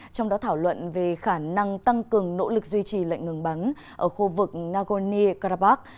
trong đó thảo luận về khả năng tăng cường nỗ lực duy trì lệnh ngừng bắn ở khu vực nagorno karabakh